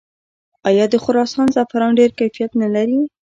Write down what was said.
آیا د خراسان زعفران ډیر کیفیت نلري؟